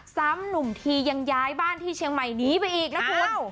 หนุ่มทียังย้ายบ้านที่เชียงใหม่หนีไปอีกนะคุณ